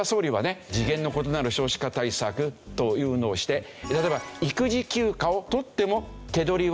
次元の異なる少子化対策というのをして例えば育児休暇を取っても手取りは１０割。